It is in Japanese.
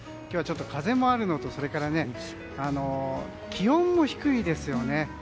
今日は、ちょっと風もあるのとそれから気温も低いですよね。